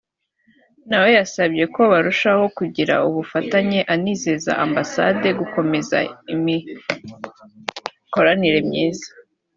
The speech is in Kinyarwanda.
nawe yasabye ko barushaho kugira ubufatanye anizeza ambasade gukomeza imikoranire myiza